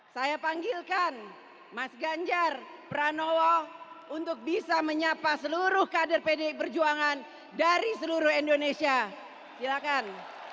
saya panggilkan mas ganjar pranowo untuk bisa menyapa seluruh kader pdi perjuangan dari seluruh indonesia silakan